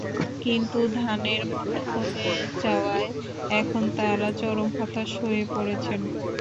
কিন্তু ধানের মূল্য কমে যাওয়ায় এখন তাঁরা চরম হতাশ হয়ে পড়েছেন।